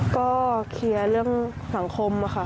ก็เคลียร์เรื่องสังคมค่ะ